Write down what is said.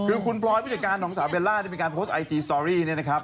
คือคุณพร้อมวิจการของสาเวลล่าที่เป็นการโพสต์ไอจีสตรอรี่เนี่ยนะครับ